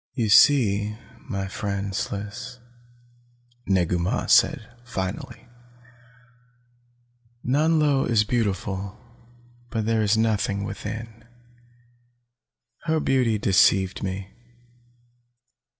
"You see, my friend Sliss," Negu Mah said finally, "Nanlo is beautiful, but there is nothing within. Her beauty deceived me.